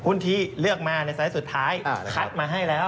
หุ้นที่เลือกมาในสายสุดท้ายคัดมาให้แล้ว